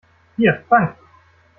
Hier, fang!